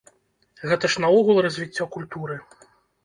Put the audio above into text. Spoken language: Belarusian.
Гэта ж наогул развіццё культуры!